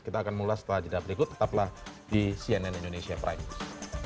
kita akan mulai setelah jeda berikut tetaplah di cnn indonesia prime news